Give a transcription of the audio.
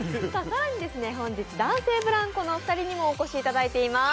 更に本日男性ブランコのお二人にもお越しいただいています。